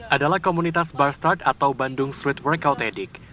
adalah komunitas bar start atau bandung street workout edik